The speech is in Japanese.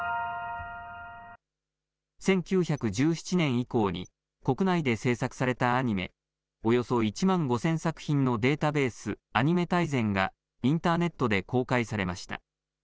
１９１７年以降に、国内で制作されたアニメおよそ１万５０００作品のデータベース、アニメ大全が、インターネットで公開されました。